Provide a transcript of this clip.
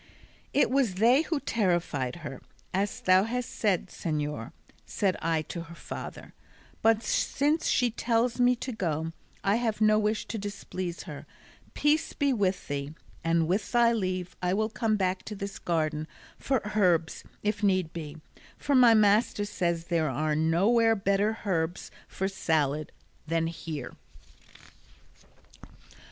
"It was they who terrified her, as thou hast said, señor," said I to her father; "but since she tells me to go, I have no wish to displease her: peace be with thee, and with thy leave I will come back to this garden for herbs if need be, for my master says there are nowhere better herbs for salad then here."